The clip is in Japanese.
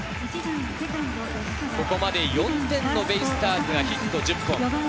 ここまで４点のベイスターズがヒット１０本。